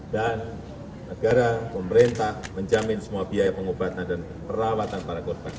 dan agar pemerintah menjamin semua biaya pengobatan dan perawatan para korban